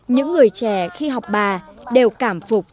những người trẻ khi học bà đều cảm phúc